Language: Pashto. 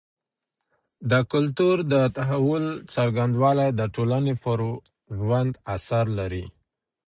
د کلتور د تحول څرنګوالی د ټولني پر ژوند اثر لري.